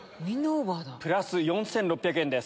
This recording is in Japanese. プラス４６００円です。